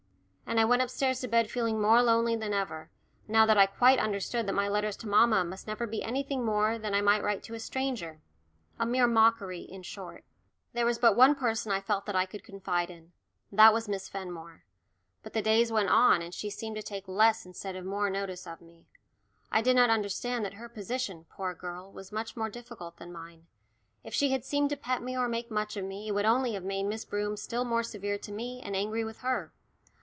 And I went upstairs to bed feeling more lonely than ever, now that I quite understood that my letters to mamma must never be anything more than I might write to a stranger a mere mockery, in short. There was but one person I felt that I could confide in. That was Miss Fenmore. But the days went on and she seemed to take less instead of more notice of me. I did not understand that her position, poor girl, was much more difficult than mine. If she had seemed to pet me or make much of me it would only have made Miss Broom still more severe to me, and angry with her.